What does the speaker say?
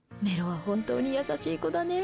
メロは本当に優しい子だね。